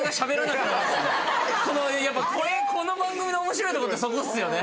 やっぱこの番組の面白いところってそこっすよね。